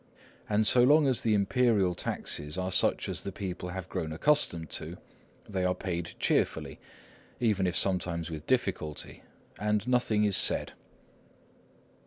And so long as the Imperial taxes are such as the people have grown accustomed to, they are paid cheerfully, even if sometimes with difficulty, and nothing is said.